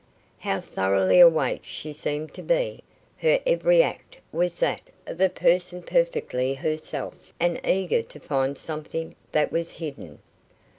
How thoroughly awake she seemed to be. Her every act was that of a person perfectly herself, and eager to find something that was hidden.